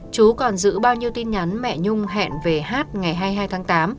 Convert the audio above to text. chú còn giữ bao nhiêu tin nhắn mẹ nhung hẹn về hát ngày hai mươi hai tháng tám